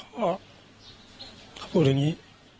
ก็พูดอย่างนี้